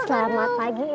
selamat pagi ilhan